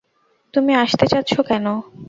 তুমি আসতে চাচ্ছ কেন?